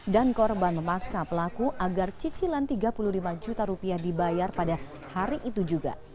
dan korban memaksa pelaku agar cicilan tiga puluh lima juta rupiah dibayar pada hari itu juga